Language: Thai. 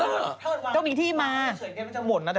มันอาจจะดูความแม่งนะตอนที่ดูตรงนี้